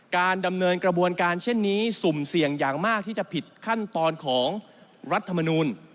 การดำเนินกระบวนการเช่นนี้สุ่มเสี่ยงอย่างมากที่จะผิดขั้นตอนของรัฐมนูล